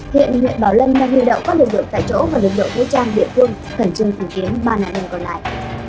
hiện nguyễn bảo lân đang lưu đậu các lực lượng tại chỗ và lực lượng vũ trang địa phương khẩn trương tìm kiếm ba nạn nhân còn lại